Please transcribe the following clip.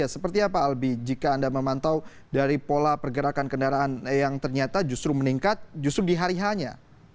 seperti apa albi jika anda memantau dari pola pergerakan kendaraan yang ternyata justru meningkat justru di hari hanya